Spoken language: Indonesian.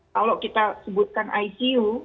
kalau kita sebutkan icu